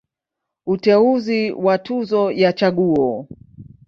Uteuzi wa Tuzo ya Chaguo.